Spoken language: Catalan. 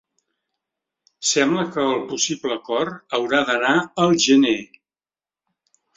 Sembla que el possible acord haurà d’anar al gener.